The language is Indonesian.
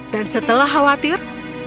dan setelah khawatir